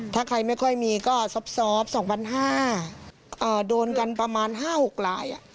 ถ้าใครไม่ค่อยมีก็ซอบสองพันห้าโดนกันประมาณห้าหกลาย